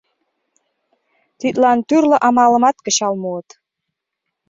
Тидлан тӱрлӧ амалымат кычал муыт...